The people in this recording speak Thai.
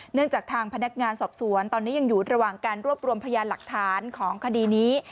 จากทางพนักงานสอบสวนตอนนี้ยังอยู่ระหว่างการรวบรวมพยานหลักฐานของคดีนี้